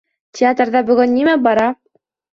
Театрҙа бөгөн нимә бара?